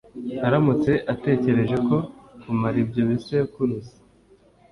aramutse atekereje ko kumara ibyo bisekuruza